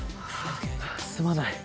すまない。